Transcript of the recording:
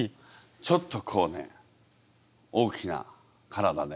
ちょっとこうね大きな体で。